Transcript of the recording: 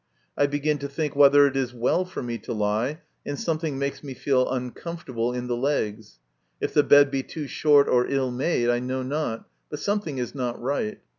I begin to think whether it is well for me to lie, and something makes me feel uncomfortable in the legs ; if the bed be too short or ill made, I know not, but something is not right.